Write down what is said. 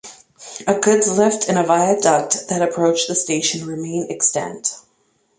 A goods lift and a viaduct that approached the station remain extant.